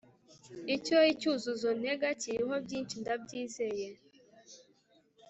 icyo icyuzuzo ntega kiriho byinshi ndabyizeye